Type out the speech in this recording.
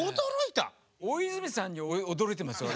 大泉さんに驚いてますよ